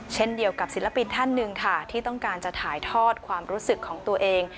เช่นเดียวกับศิลปินท่านหนึ่งค่ะที่ต้องการจะถ่ายทอดความรู้สึกของตัวเอง